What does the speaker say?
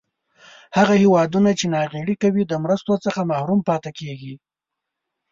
هغه هېوادونه چې ناغیړي کوي د مرستو څخه محروم پاتې کیږي.